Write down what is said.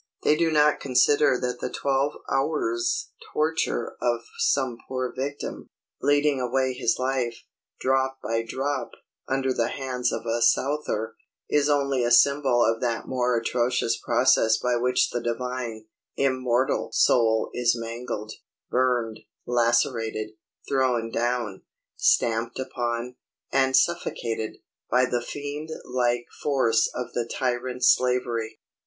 They do not consider that the twelve hours' torture of some poor victim, bleeding away his life, drop by drop, under the hands of a SOUTHER, is only a symbol of that more atrocious process by which the divine, immortal soul is mangled, burned, lacerated, thrown down, stamped upon, and suffocated, by the fiend like force of the tyrant Slavery.